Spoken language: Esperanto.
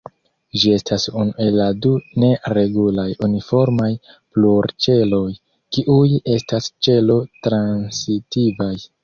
Ĝi estas unu el la du ne-regulaj uniformaj plurĉeloj kiuj estas ĉelo-transitivaj.